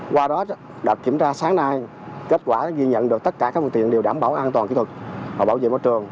qua đó đạt kiểm tra sáng nay kết quả ghi nhận được tất cả các phương tiện đều đảm bảo an toàn kỹ thuật và bảo vệ môi trường